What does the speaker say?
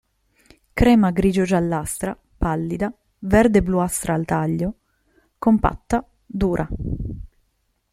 Crema-grigio-giallastra, pallida, verde-bluastra al taglio; compatta, dura.